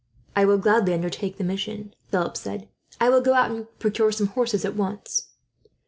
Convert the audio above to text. "I will gladly undertake the mission," Philip said. "I will go out and procure some horses, at once."